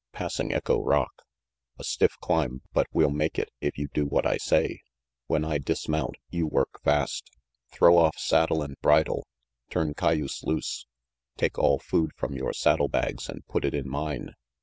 Passing echo rock. A stiff climb, but we'll make it, if you do what I say. When I dismount, you work fast. Throw off saddle and bridle. Turn cayuse loose. Take all food from your saddle bags and put it in mine.